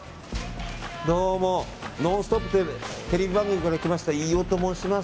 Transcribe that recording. どうも「ノンストップ！」というテレビ番組から来ました飯尾と申します。